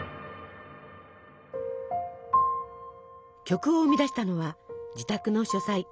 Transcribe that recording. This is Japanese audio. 曲を生み出したのは自宅の書斎。